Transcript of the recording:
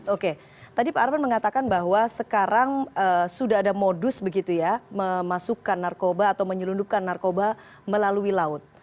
oke tadi pak arman mengatakan bahwa sekarang sudah ada modus begitu ya memasukkan narkoba atau menyelundupkan narkoba melalui laut